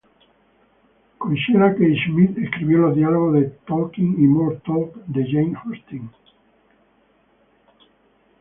Con Sheila Kaye-Smith escribió los diálogos de "Talking" y "More Talk" de Jane Austen.